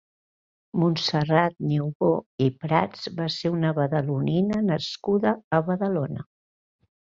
Montserrat Niubó i Prats va ser una badalonina nascuda a Badalona.